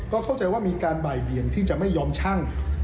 ก็เข้าใจว่ามีการบ่ายเบียงที่จะไม่ยอมชั่ง